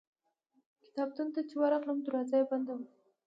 کتابتون ته چې ورغلم دروازه یې بنده وه.